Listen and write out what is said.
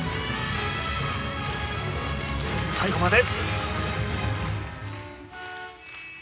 最後まで！